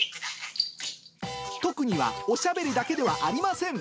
特技はおしゃべりだけではありません。